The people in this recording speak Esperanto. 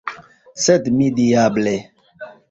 Sed mi, diable!